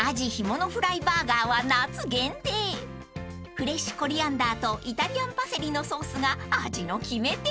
［フレッシュコリアンダーとイタリアンパセリのソースが味の決め手］